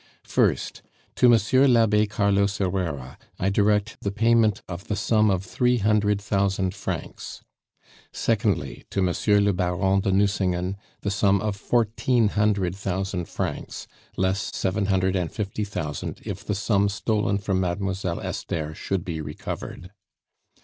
"First, to Monsieur l'Abbe Carlos Herrera I direct the payment of the sum of three hundred thousand francs. Secondly, to Monsieur le Baron de Nucingen the sum of fourteen hundred thousand francs, less seven hundred and fifty thousand if the sum stolen from Mademoiselle Esther should be recovered.